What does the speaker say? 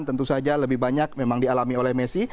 tentu saja lebih banyak memang dialami oleh messi